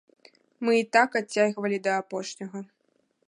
Мы і так адцягвалі да апошняга.